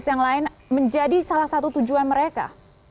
yang lain menjadi salah satu tujuan mereka